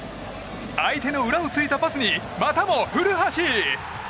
相手の裏を突いたパスにまたも古橋！